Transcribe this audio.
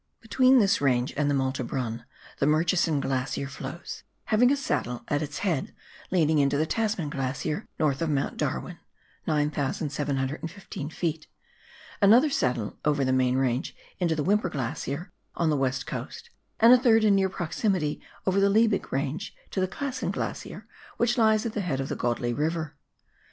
Between this range and the Malte Brun, the Murchison TASMAN DISTRICT. 15 Glacier flows, haying a saddle at its head leading into the Tasman Grlacier north of Mount Darwin (9,715 ft.), another saddle over the main range into the Whymper Glacier on the West Coast, and a third, in near proximity, over the Liebig Range to the Classen Glacier, which lies at the head of the Godley River.